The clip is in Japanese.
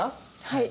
はい。